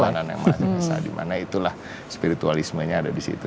dimana selalu ada kekeluhanan yang mahal dimana itulah spiritualismenya ada disitu